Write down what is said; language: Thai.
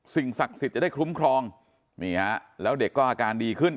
ศักดิ์สิทธิ์จะได้คลุ้มครองนี่ฮะแล้วเด็กก็อาการดีขึ้น